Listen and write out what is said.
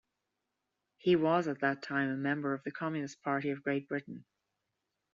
He was at that time a member of the Communist Party of Great Britain.